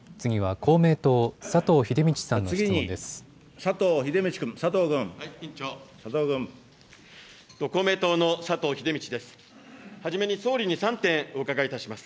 公明党の佐藤英道です。